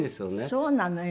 そうなの？